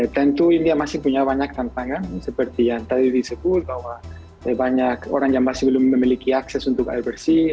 tentu india masih punya banyak tantangan seperti yang tadi disebut bahwa banyak orang yang masih belum memiliki akses untuk air bersih